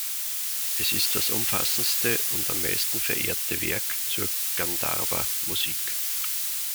Es ist das umfassendste und am meisten verehrte Werk zur Gandharva-Musik.